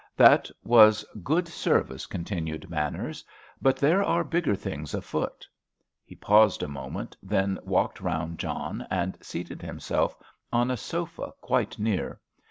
"That was good service," continued Manners, "but there are bigger things afoot." He paused a moment, then walked round John, and seated himself on a sofa quite near.